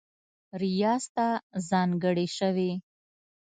ریاض ته ځانګړې شوې